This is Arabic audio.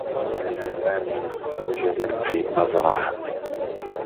كان سامي مُحتجزا في المزرعة.